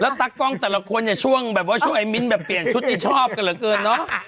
แล้วตากล้องแต่ละคนโชว์ว่าช่วยมิ้นท์แบบแบบเปลี่ยนชุดที่ชอบกันเหลือเกิน